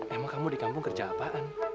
emang kamu di kampung kerja apaan